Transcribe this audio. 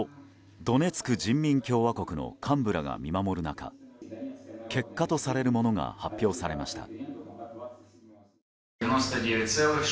ドネツク人民共和国の幹部らが見守る中結果とされるものが発表されました。